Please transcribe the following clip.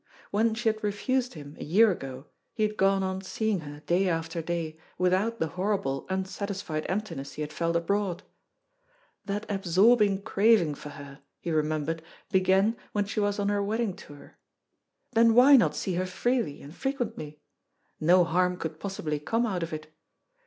When she had refused him a year ago, he had gone on seeing her day after day, without the horrible, unsatisfied emptiness he had felt abroad. That absorbing craving for her, he remembered, began when she was on her wedding tour. Then why not see her freely and frequently? No harm could possibly come out of it.